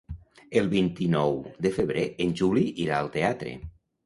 El vint-i-nou de febrer en Juli irà al teatre.